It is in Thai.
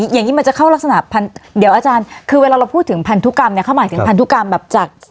อย่างนี้มันจะเข้ารักษณะเดี๋ยวอาจารย์คือเวลาเราพูดถึงพันธุกรรมเนี่ยเขาหมายถึงพันธุกรรมแบบจาก